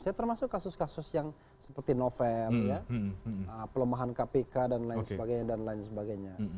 ya termasuk kasus kasus yang seperti november ya pelemahan kpk dan lain sebagainya